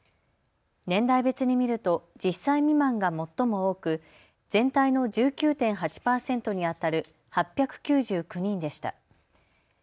年代別に見ると１０歳未満が最も多く全体の１９．８％にあたる８９９人でした。